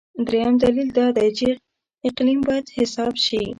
درېیم دلیل دا دی چې اقلیم هم باید حساب شي.